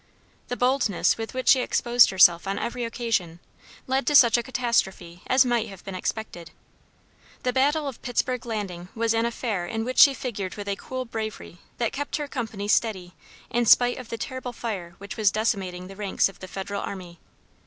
The boldness with which she exposed herself on every occasion, led to such a catastrophe as might have been expected. The battle of Pittsburgh Landing was an affair in which she figured with a cool bravery that kept her company steady in spite of the terrible fire which was decimating the ranks of the Federal Army.